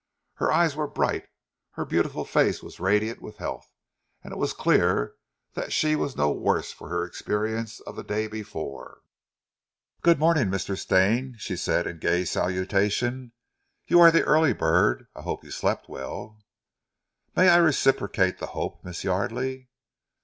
Her eyes were bright, her beautiful face was radiant with health, and it was clear that she was no worse for her experience of the day before. "Good morning, Mr. Stane," she said in gay salutation, "you are the early bird. I hope you slept well." "May I reciprocate the hope, Miss Yardely?"